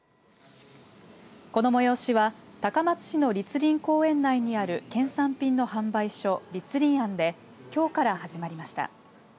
この催しは高松市の栗林公園内にある県産品の販売所、栗林庵できょうから始まりました。